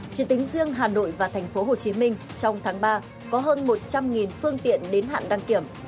trên tính riêng hà nội và thành phố hồ chí minh trong tháng ba có hơn một trăm linh phương tiện đến hạn đăng kiểm